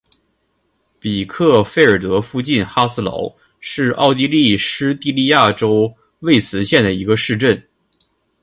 比克费尔德附近哈斯劳是奥地利施蒂利亚州魏茨县的一个市镇。